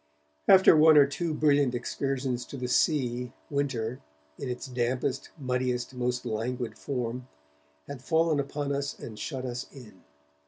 After one or two brilliant excursions to the sea, winter, in its dampest, muddiest, most languid form, had fallen upon us and shut us in.